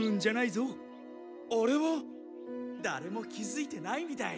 だれも気づいてないみたい。